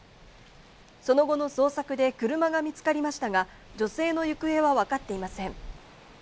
その後の捜索で車が見つかりましたが、女性の行方はわかっていません。